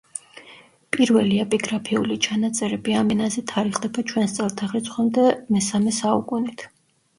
პირველი ეპიგრაფიული ჩანაწერები ამ ენაზე თარიღდება ჩვენს წელთაღრიცხვამდე მესამე საუკუნით.